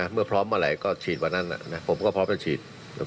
เมื่อพร้อมเมื่อไหร่ก็ฉีดวันนั้นผมก็พร้อมจะฉีด